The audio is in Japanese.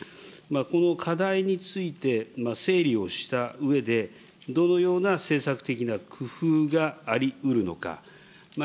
この課題について、整理をしたうえで、どのような政策的な工夫がありうるのか。